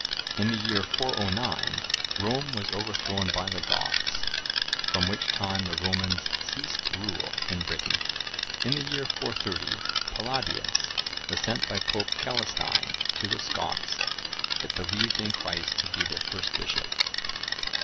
[I, 9.] In the year 409, Rome was overthrown by the Goths, from which time the Romans ceased to rule in Britain. [I, 11.] In the year 430, Palladius was sent by Pope Celestine to the Scots that believed in Christ to be their first bishop.